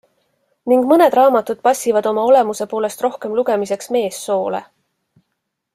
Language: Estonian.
Ning mõned raamatud passivad oma olemuse poolest rohkem lugemiseks meessoole.